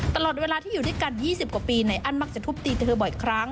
ตลอดเวลาที่อยู่ด้วยกัน๒๐กว่าปีนายอั้นมักจะทุบตีเธอบ่อยครั้ง